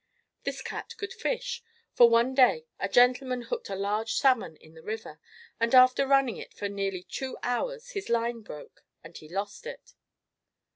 This cat could fish; for one day a gentleman hooked a large salmon in the river, and after running it for nearly two hours his line broke and he lost it.